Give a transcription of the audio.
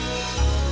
kamu mau kemana